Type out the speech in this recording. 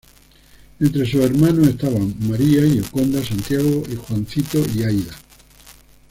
Entre sus hermanos estaban María, Gioconda, Santiago y Juancito y Aída.